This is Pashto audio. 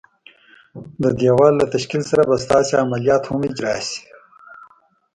د دېوال له تشکیل سره به ستاسي عملیات هم اجرا شي.